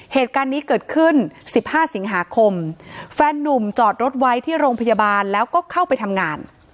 เหตุการณ์นี้เกิดขึ้น๑๕สิงหาคมแฟนนุ่มจอดรถไว้ที่โรงพยาบาลแล้วก็เข้าไปทำงาน